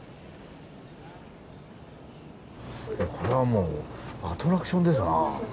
これはもうアトラクションですな。